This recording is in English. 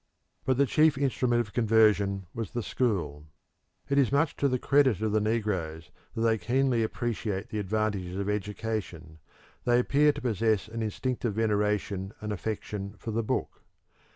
But the chief instrument of conversion was the school. It is much to the credit of the negroes that they keenly appreciate the advantages of education; they appear to possess an instinctive veneration and affection for the book.